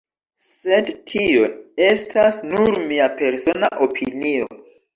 Sed tio estas nur mia persona opinio.